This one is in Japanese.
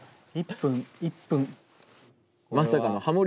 １分１分。